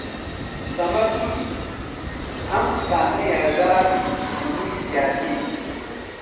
سەمەد گوتی: ئەم قسانەی هەژار هەمووی زیادین